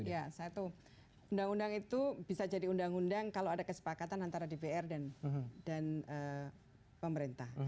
ya satu undang undang itu bisa jadi undang undang kalau ada kesepakatan antara dpr dan pemerintah